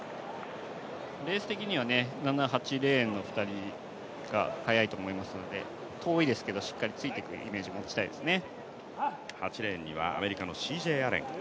レース的には７、８レーンの２人が速いと思いますので遠いですけど、しっかりついていくイメージを持ちたいですね。